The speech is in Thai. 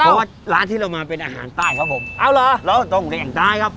เพราะว่าร้านที่เรามาเป็นอาหารใต้ครับผมเอาเหรอเราต้องแข่งใต้ครับ